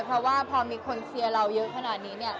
เพราะว่าพอมีคนเชียร์เราเยอะขนาดนี้เนี่ย